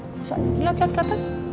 coba liat liat ke atas